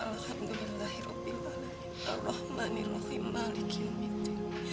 alhamdulillahirrohbilalaihi al rahmani r rahim malikil mitri